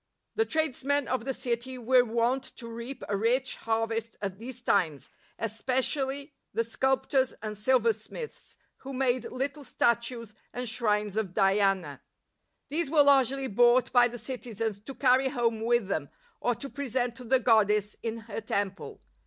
The tradesmen of the city were wont to reap a rich harvest at these times, especially the sculptors and silversmiths, who made little statues and shrines of Diana. These were largely bought by the citizens to carry home with them, or to present to the goddess in her temple.